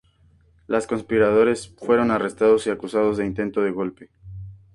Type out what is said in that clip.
Los conspiradores fueron arrestados y acusados de intento de golpe.